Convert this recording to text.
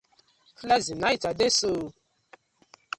Flexing na it I dey so ooo.